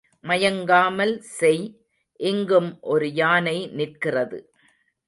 மயங்காமல் செய் இங்கும் ஒரு யானை நிற்கிறது.